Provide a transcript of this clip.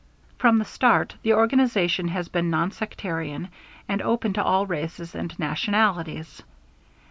From the start the organization has been nonsectarian and open to all races and nationalities.